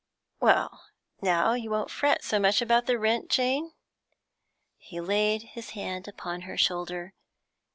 'Well, now you won't fret so much about the rent, Jane?' He laid his hand upon her shoulder.